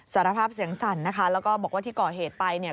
สารภาพเสียงสั่นนะคะแล้วก็บอกว่าที่ก่อเหตุไปเนี่ย